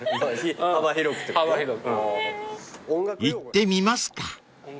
［行ってみますか］